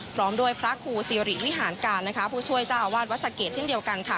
พร้อมด้วยพระครูสิริวิหารการนะคะผู้ช่วยเจ้าอาวาสวัดสะเกดเช่นเดียวกันค่ะ